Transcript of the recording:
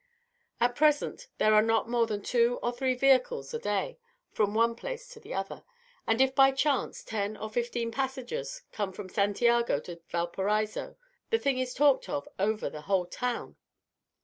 At present, there are not more than two or three vehicles a day from one place to the other, and if by chance ten or fifteen passengers come from Santiago to Valparaiso, the thing is talked of over the whole town.